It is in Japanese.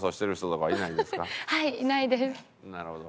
なるほど。